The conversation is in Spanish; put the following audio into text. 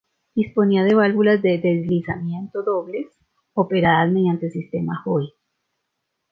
Disponía de válvulas de deslizamiento dobles operadas mediante el sistema Joy.